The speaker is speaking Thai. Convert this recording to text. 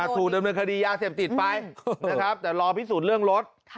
ถูกดำเนินคดียาเสพติดไปนะครับแต่รอพิสูจน์เรื่องรถ